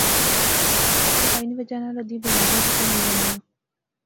صفائی نی وجہ سی ادیاں بیماریاں ختم ہوئی غنیاں